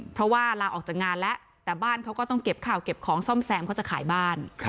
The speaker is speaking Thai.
เพราะว่าลาออกจากงานแล้วแต่บ้านเขาก็ต้องเก็บข่าวเก็บของซ่อมแซมเขาจะขายบ้าน